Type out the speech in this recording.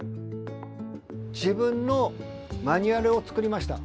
自分のマニュアルを作りました。